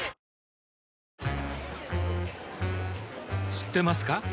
知ってますか？